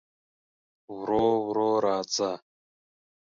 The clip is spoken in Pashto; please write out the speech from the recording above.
ورو ورو راځه